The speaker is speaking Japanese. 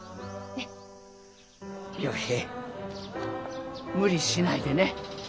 陽平無理しないでね。